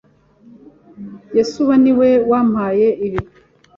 Yesuwa niwe wampaye ibi.